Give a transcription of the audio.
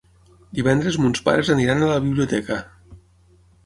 Divendres mons pares aniran a la biblioteca.